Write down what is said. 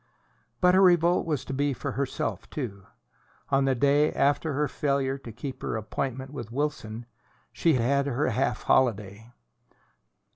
But her revolt was to be for herself too. On the day after her failure to keep her appointment with Wilson she had her half holiday.